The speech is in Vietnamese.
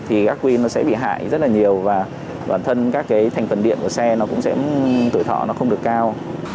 thì gác pin nó sẽ bị hại rất là nhiều và bản thân các cái thành phần điện của xe nó cũng sẽ tuổi thọ nó không được cao